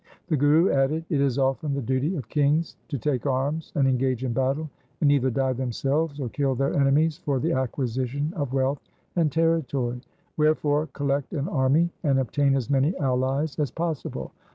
The Guru added, ' It is often the duty of kings to take arms and engage in battle, and either die themselves or kill their enemies for the acquisition of wealth and territory. Wherefore collect an army and obtain as many allies as possible.